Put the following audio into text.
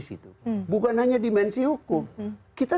situ bukan hanya dimensi hukum kita